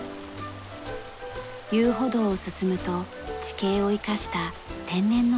遊歩道を進むと地形を生かした天然の足湯があります。